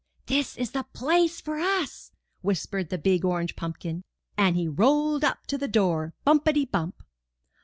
'*This is the place for us!" whispered the big orange pumpkin; and he rolled up to the door, bumpity bump